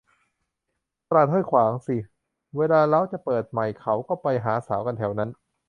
ตลาดห้วยขวางสิ เวลาเล้าจะเปิดใหม่เขาก็ไปหาสาวกันแถวนั้น